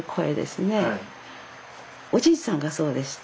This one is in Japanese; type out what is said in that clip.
おじいさんがそうでした。